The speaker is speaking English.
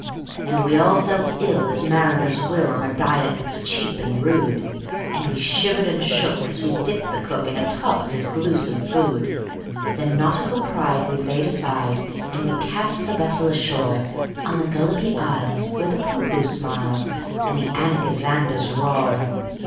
And we all felt ill as mariners will, On a diet that's cheap and rude; And we shivered and shook as we dipped the cook In a tub of his gluesome food. Then nautical pride we laid aside, And we cast the vessel ashore On the Gulliby Isles, where the Poohpooh smiles, And the Anagazanders roar.